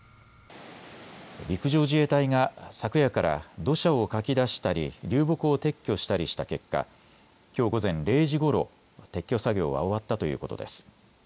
陸上自衛隊が昨夜から土砂をかき出したり流木を撤去したりした結果、きょう午前０時ごろ、撤去作業は終わったということです。